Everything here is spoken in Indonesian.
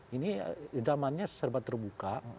ini zamannya serba terbuka